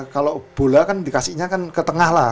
kalau bola kan dikasihnya kan ke tengah lah